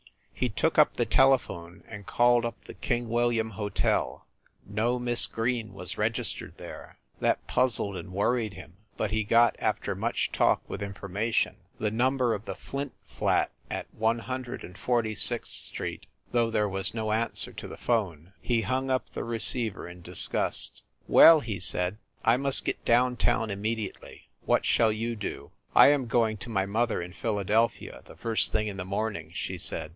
He took up the telephone and called up the King William Hotel. No Miss Green was registered there. That puzzled and worried him, but he got, after much talk with "Information," the number of 148 FIND THE WOMAN the Flint Flat at One Hundred and Forty sixth Street, though there was no answer to the phone. He hung up the receiver in disgust. "Well," he said, "I must get down town immedi ately. What shall you do ?" "I am going to my mother in Philadelphia, the first thing in the morning,", she said.